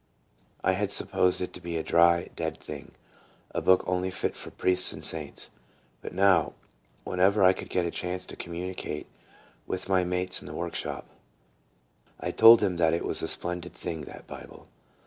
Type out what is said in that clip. I had supposed it to be a dry, dead thing a book only fit for priests and saints, but now, when ever I could get a chance ta communicate with my mates in the workshop. I told them that it was a " splendid thing, that Bible."